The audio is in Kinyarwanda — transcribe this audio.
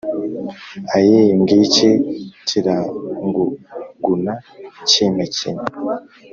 Ayiii! Ngiki kiranguguna kimpekenya